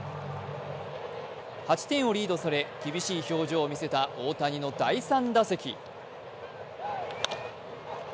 ８点をリードされ厳しい表情を見せた大谷の第３打席。